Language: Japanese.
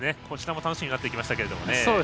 こちらも楽しみになってきましたけども。